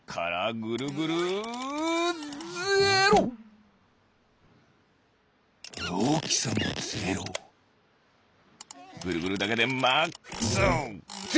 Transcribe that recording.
ぐるぐるだけでマックスゼロ！